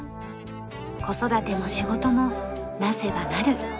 子育ても仕事もなせば成る。